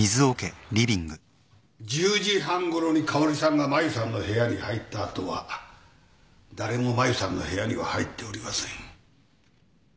１０時半ごろに香織さんがマユさんの部屋に入った後は誰もマユさんの部屋には入っておりません。